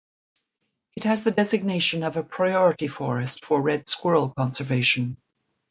It has the designation of a 'Priority Forest' for Red Squirrel conservation.